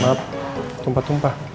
maaf tumpah tumpah